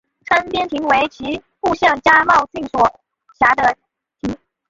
川边町为岐阜县加茂郡所辖的町。